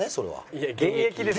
いや現役です。